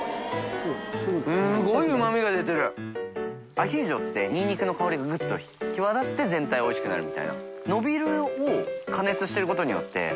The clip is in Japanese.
アヒージョってニンニクの香りが哀辰蛤殞辰全体がおいしくなるみたいな。